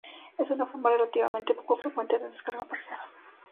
Es una forma relativamente poco frecuente de descarga parcial.